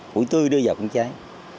mũi tươi đưa vào cũng cháy